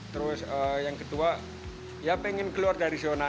terus yang kedua ya pengen keluar dari zona